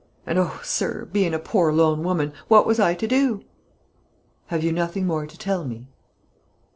And, oh sir, bein' a poor lone woman, what was I to do?" "Have you nothing more to tell me?"